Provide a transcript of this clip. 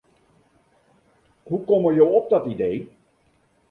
Hoe komme jo op dat idee?